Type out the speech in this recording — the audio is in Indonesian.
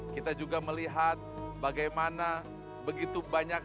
kita juga melihat bagaimana begitu banyak